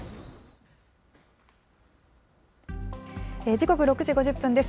時刻、６時５０分です。